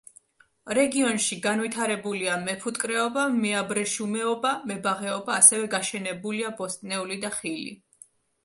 რეგიონში განვითარებულია: მეფუტკრეობა, მეაბრეშუმეობა, მებაღეობა, ასევე გაშენებულია ბოსტნეული და ხილი.